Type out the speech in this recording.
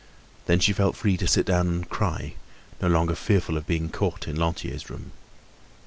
Then she felt free to sit down and cry, no longer fearful of being caught in Lantier's room.